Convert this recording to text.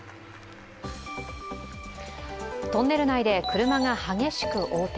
トンネル内で車が激しく横転。